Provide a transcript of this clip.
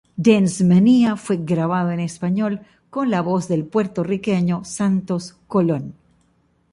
Dance Mania fue grabado en español, con la voz del puertorriqueño Santos Colón.